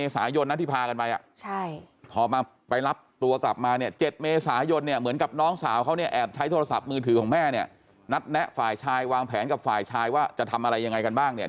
สาวเขาเนี่ยแอบใช้โทรศัพท์มือถือของแม่เนี่ยนัดแนะฝ่ายชายวางแผนกับฝ่ายชายว่าจะทำอะไรยังไงกันบ้างเนี่ย